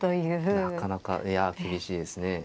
なかなかいや厳しいですね。